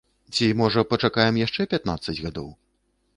Ці, можа, пачакаем яшчэ пятнаццаць гадоў?